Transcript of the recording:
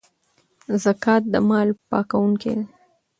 زکات د مال پاکونکی دی.